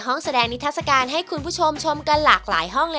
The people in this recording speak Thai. ฝั่งนี้ก็มีหลายอย่างเลย